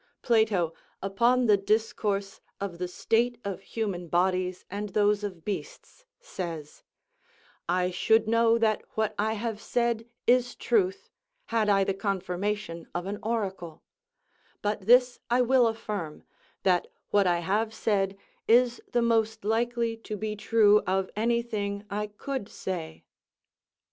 Plato, upon the discourse of the state of human bodies and those of beasts, says, "I should know that what I have said is truth, had I the confirmation of an oracle; but this I will affirm, that what I have said is the most likely to be true of any thing I could say."